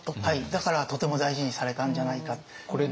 だからとても大事にされたんじゃないかっていうことを。